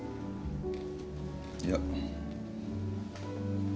いや。